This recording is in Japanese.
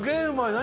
何？